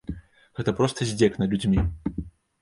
Гэта проста здзек над людзьмі.